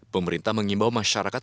pemerintah mengimbau masyarakat